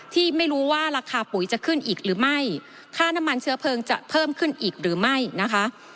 ที่ไม่รู้ว่าราคาปุ๋ยจะขึ้นอีกหรือไม่ค่าน้ำมันเชื้อเพลิงจะเพิ่มขึ้นอีกหรือไม่นะคะ